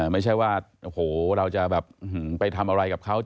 ไม่ใช่ว่าเราจะไปทำอะไรกับเขา